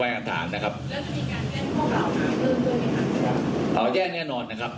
แล้วจะมีการแจ้งข้อมูลข้อมูลด้วยไหมครับเอ่อแจ้งแน่นอนนะครับ